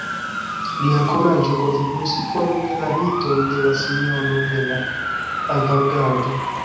Lia kuraĝo kontribuis formi la miton de la «Sinjoro de la Avangardo».